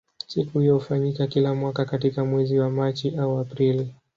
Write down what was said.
Siku hiyo hufanyika kila mwaka katika mwezi wa Machi au Aprili.